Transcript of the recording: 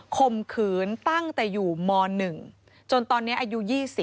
ข่มขืนตั้งแต่อยู่ม๑จนตอนนี้อายุ๒๐